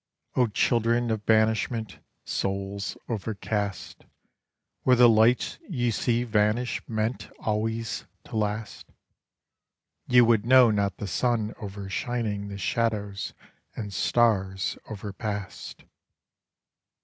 O children of banishment, Souls overcast, Were the lights ye see vanish meant Alway to last, Ye would know not the sun overshining the shadows and stars overpast.